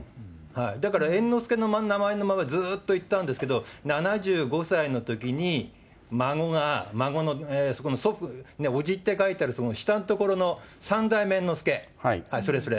だから猿之助の名前のままずっといったんですけど、７５歳のときに、孫が、孫の、そこの祖父、伯父って書いてあるその下の所の三代目猿之助、それそれ。